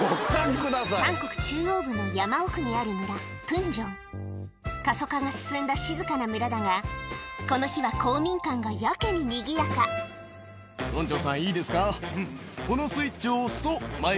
韓国中央部の山奥にある村プンジョン過疎化が進んだ静かな村だがこの日は公民館がやけににぎやかうんうん。